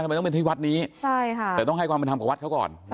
ทำไมต้องเป็นที่วัดนี้แต่ต้องให้ความเป็นธรรมกับวัดเขาก่อน